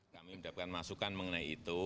kami sudah berikan masukan mengenai itu